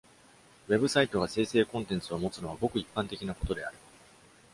ウェブサイトが生成コンテンツを持つのは極一般的なことである。